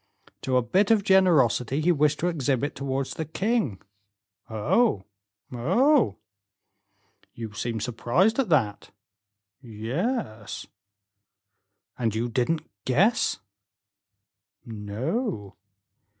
"To a bit of generosity he wished to exhibit towards the king." "Oh, oh!" "You seem surprised at that?" "Yes." "And you didn't guess?" "No."